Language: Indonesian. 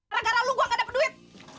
gara gara lu gue gak dapet duit